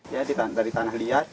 ya dari tanah liat